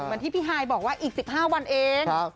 ที่พี่ฮายบอกว่าอีก๑๕วันเอง